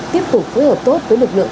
tiếp tục phối hợp tốt với lực lượng